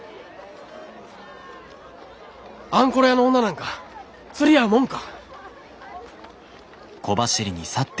あんころ屋の女なんか釣り合うもんか！